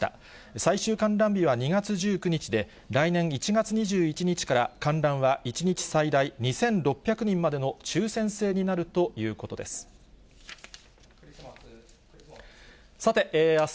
最終観覧日は２月１９日で、来年１月２１日から、観覧は１日最大２６００人までの抽せん制になるということです。